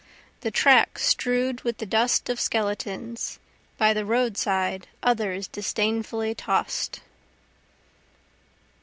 The track strew'd with the dust of skeletons, By the roadside others disdainfully toss'd.